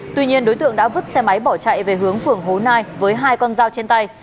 tuy nhiên đối tượng đã vứt xe máy bỏ chạy về hướng phưởng hố nai với hai con dao trên tay